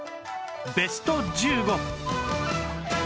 ベスト１５